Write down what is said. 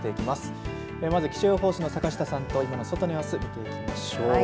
まず気象予報士の坂下さんと外の様子、見ていきましょう。